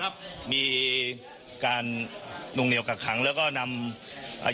ครับมีการนุ่งเหนียวกักขังแล้วก็นำอ่า